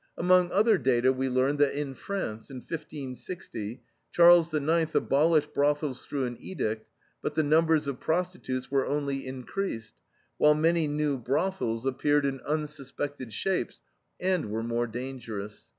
Among other data we learn that in France, "in 1560, Charles IX. abolished brothels through an edict, but the numbers of prostitutes were only increased, while many new brothels appeared in unsuspected shapes, and were more dangerous.